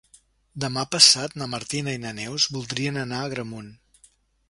Demà passat na Martina i na Neus voldrien anar a Agramunt.